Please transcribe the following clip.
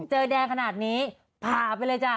เจอแดงขนาดนี้พาไปเลยจ้ะ